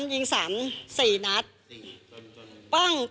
ก่อนจะล้มมาซ้ำยิง๓๔นัท